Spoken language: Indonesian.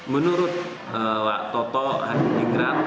menurut wak toto harim jengkran